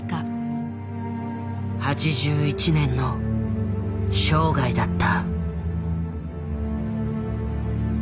８１年の生涯だった。